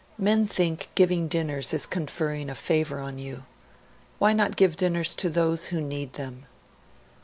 Men think giving dinners is conferring a favour on you ... Why not give dinners to those who need them?'